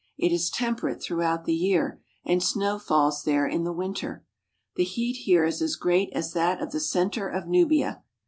It is temperate through out the year and snow falls there in the winter. The heat here is as great as that of the centre of Nubia.